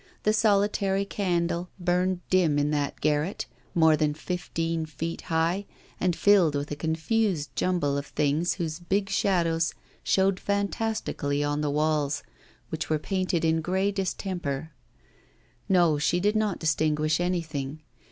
The solitary candle burned dim in that garret, more than fifteen feet high, and filled with a confused jumble of things whose big shadows showed fantastically on the walls, which were painted in grey distemper. No, she did not distinguish anything.